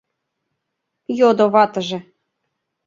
— йодо ватыже.